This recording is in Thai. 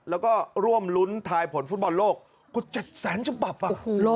แล้วก็ร่วมรุ้นทายผลฟุตบอลโลกก็๗๐๐ชมปับอ่ะ